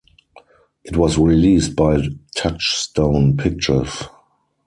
It was released by Touchstone Pictures.